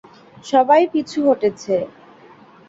সবাই পিছু হটেছে।